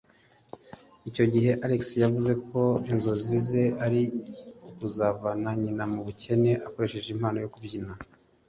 Icyo gihe Alex yavuze ko inzozi ze ari ukuzavana nyina mu bukene akoresheje impano yo kubyina